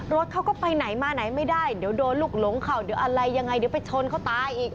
รถเขาก็ไปไหนมาไหนไม่ได้เดี๋ยวโดนลูกหลงเข่าเดี๋ยวอะไรยังไงเดี๋ยวไปชนเขาตายอีก